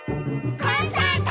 コンサート！